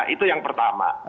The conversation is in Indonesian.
itu yang pertama